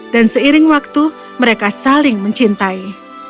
dan seiring waktu mereka saling mencintai